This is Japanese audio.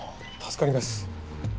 助かります。